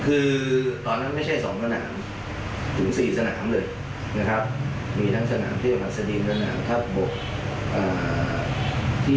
คือตอนนั้นไม่ใช่๒สนามถึง๔สนามเลยนะครับ